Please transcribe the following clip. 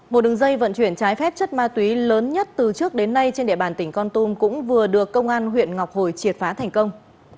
một đường dây vận chuyển trái phép chất ma túy lớn nhất từ trước đến nay trên địa bàn tỉnh con tum cũng vừa được công an huyện ngọc hồi triệt phá thành công